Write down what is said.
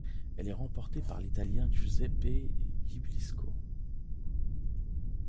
Elle est remportée par l'Italien Giuseppe Gibilisco.